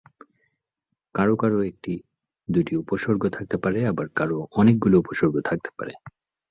কারো কারো একটি দুটি উপসর্গ থাকতে পারে আবার কারো অনেকগুলো উপসর্গ থাকতে পারে।